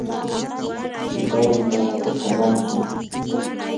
chuqaymi mana kachamantsu.